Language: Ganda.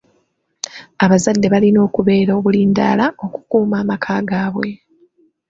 Abazadde balina okubeera obulindaala okukuuma amaka gaabwe.